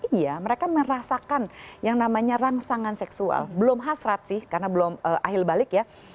iya mereka merasakan yang namanya rangsangan seksual belum hasrat sih karena belum akhir balik ya